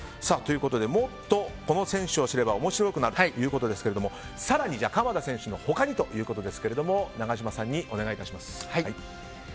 もっと、この選手を知れば面白くなるということですが更に鎌田選手の他にということですが永島さんにお願いいたします。